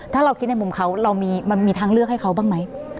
ถ้าเราคิดในมุมเขาเรามันมีทางเลือกให้เขาบ้างไหม